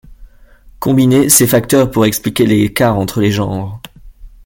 Combinés, ces facteurs pourraient expliquer l'écart entre les genres.